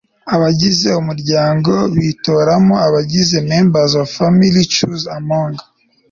Abagize umuryango bitoramo abagize Members of a family choose among